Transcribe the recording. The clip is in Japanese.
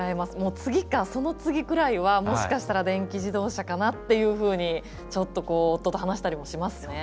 次か、その次ぐらいはもしかしたら電気自動車かなとちょっと夫と話したりもしますね。